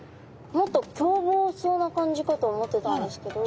もっと凶暴そうな感じかと思ってたんですけど。